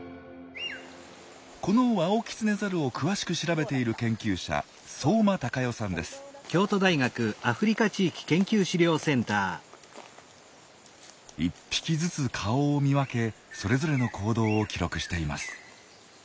このワオキツネザルを詳しく調べている研究者１匹ずつ顔を見分けそれぞれの行動を記録しています。